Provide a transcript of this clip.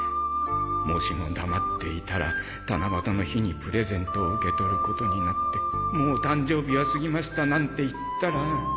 もしも黙っていたら七夕の日にプレゼントを受け取ることになってもう誕生日は過ぎましたなんて言ったら